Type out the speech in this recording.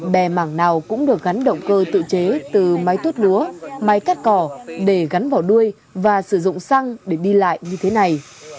bè mảng nào cũng được gắn động cơ tự chế từ máy tuốt lúa máy cắt cỏ để gắn vào đuôi và sử dụng xăng để đi lại như thế này